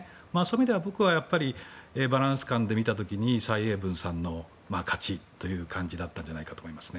そういった意味では、僕はバランス感で見た時に蔡英文さんの勝ちだったということだったと思います。